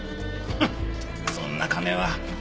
ハッそんな金は。